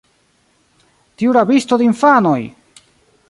tiu rabisto de infanoj!